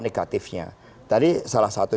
negatifnya tadi salah satu